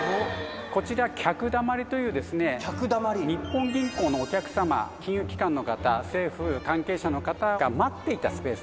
こちら客溜という日本銀行のお客様金融機関の方政府関係者の方が待っていたスペースなんですね。